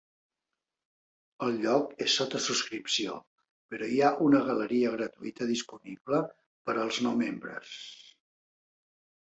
El lloc és sota subscripció però hi ha una galeria gratuïta disponible per als no membres.